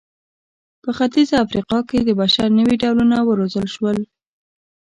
په ختیځه افریقا کې د بشر نوي ډولونه وروزل شول.